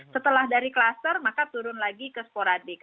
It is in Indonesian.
setelah dari kluster maka turun lagi ke sporadik